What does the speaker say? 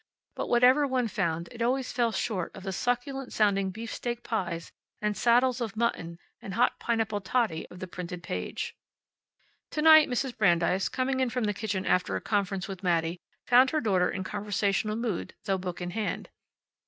But whatever one found, it always fell short of the succulent sounding beefsteak pies, and saddles of mutton, and hot pineapple toddy of the printed page. To night Mrs. Brandeis, coming in from the kitchen after a conference with Mattie, found her daughter in conversational mood, though book in hand.